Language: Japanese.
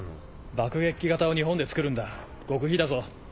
爆撃機型を日本でつくるんだ極秘だぞ。